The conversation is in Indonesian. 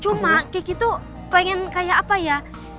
cuma keki tuh pengen kayak apa ya